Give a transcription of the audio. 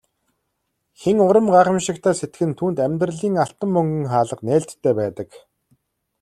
Хэн уран гайхамшигтай сэтгэнэ түүнд амьдралын алтан мөнгөн хаалга нээлттэй байдаг.